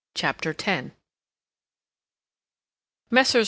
CHAPTER X Messrs.